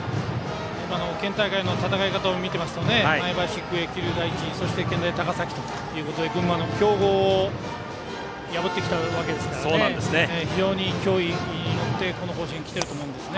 今の県大会の戦い方を見ていると、前橋育英桐生第一、健大高崎ということで群馬の強豪を破ってきたわけで非常に興に乗って、この甲子園に来ていると思います。